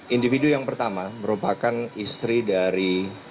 individu yang pertama merupakan istri dari